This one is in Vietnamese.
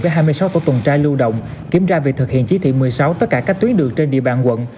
với hai mươi sáu tổ tuần tra lưu động kiểm tra việc thực hiện chỉ thị một mươi sáu tất cả các tuyến đường trên địa bàn quận